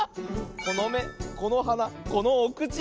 このめこのはなこのおくち。